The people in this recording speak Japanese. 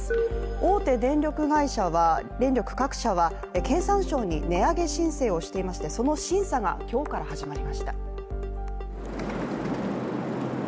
大手電力各社は経産省に値上げ申請をしていましてその審査が今日から始まりました。